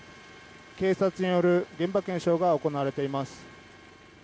警察による現場検証が行われています。